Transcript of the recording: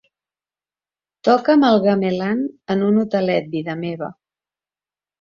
Toca'm el gamelan en un hotelet, vida meva.